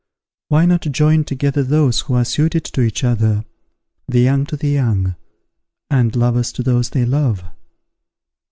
_ Why not join together those who are suited to each other, the young to the young, and lovers to those they love?